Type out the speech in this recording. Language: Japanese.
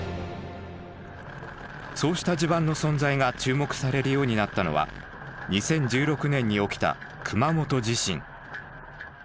そうした地盤の存在が注目されるようになったのは２０１６年に起きた熊本地震。